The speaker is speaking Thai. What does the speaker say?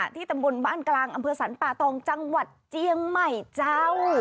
ตำบลบ้านกลางอำเภอสรรป่าตองจังหวัดเจียงใหม่เจ้า